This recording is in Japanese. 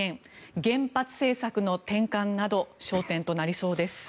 原発政策の転換など焦点となりそうです。